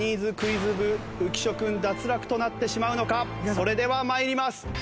それでは参ります。